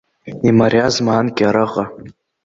Имариазма анкьа араҟа.